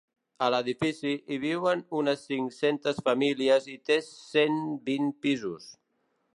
A l’edifici, hi viuen unes cinc-cents famílies i té cent vint pisos.